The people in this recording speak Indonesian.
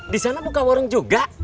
di sana buka warung juga